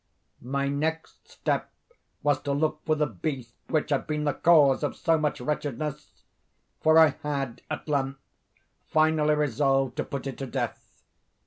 My next step was to look for the beast which had been the cause of so much wretchedness; for I had, at length, firmly resolved to put it to death.